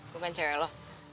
bukan cewek lo